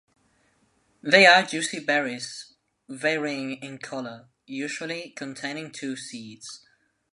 They are juicy berries varying in color, usually containing two seeds.